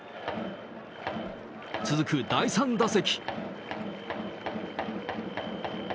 続く第３打席。